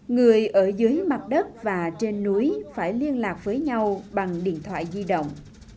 người ở dưới mặt đất và trên núi phải liên lạc với nhau bằng điện thoại di động